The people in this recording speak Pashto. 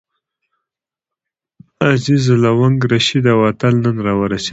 عزیز، لونګ، رشید او اتل نن راورسېدل.